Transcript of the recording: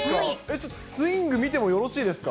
ちょっとスイング見てもよろしいですか？